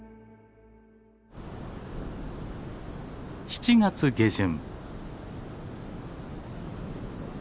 ７月下旬。